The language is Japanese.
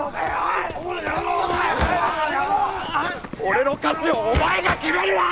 俺の価値をお前が決めるな！